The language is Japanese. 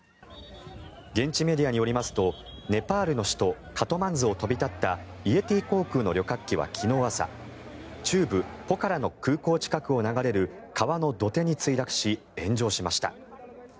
現地メディアによりますとネパールの首都カトマンズを飛び立ったイエティ航空の旅客機は昨日朝中部ポカラの空港近くを流れる川の土手に墜落し炎上しました。